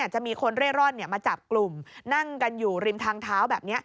จะมีคนเร่ร่อนมาจับกลุ่มนั่งกันอยู่ริมทางเท้าแบบนี้